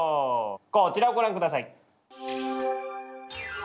こちらをご覧下さい！